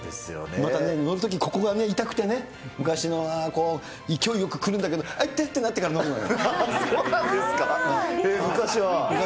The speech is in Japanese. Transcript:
またね、乗るときここが痛くてね、昔の、勢いよく来るんだけど、あっ、痛いってなってから乗るのよ。